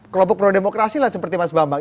kelompok pro demokrasi lah seperti mas bambang